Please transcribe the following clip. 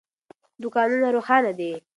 دوکانونه روښانه دي.